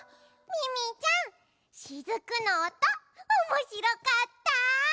ミミィちゃんしずくのおとおもしろかった。